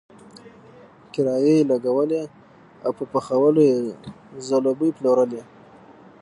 کرایي یې لګولی او په پخولو یې ځلوبۍ پلورلې.